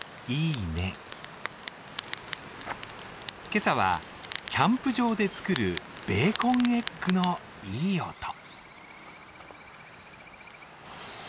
今朝はキャンプ場で作るベーコンエッグのいい音。